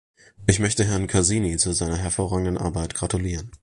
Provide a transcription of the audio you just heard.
Ich möchte Herrn Casini zu seiner hervorragenden Arbeit gratulieren.